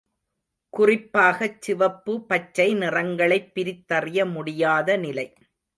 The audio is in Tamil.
குறிப்பாகச் சிவப்பு, பச்சை நிறங்களைப் பிரித்தறிய முடியாத நிலை.